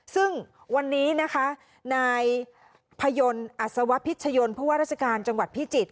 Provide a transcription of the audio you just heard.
ซึ่งวันนี้นะคะนายพยนต์อัศวพิชยนต์ผู้ว่าราชการจังหวัดพิจิตร